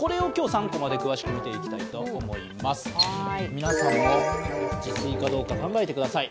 皆さんも自炊かどうか考えてください。